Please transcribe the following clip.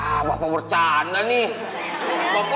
wah bapak bercanda nih bapak ngelawak ya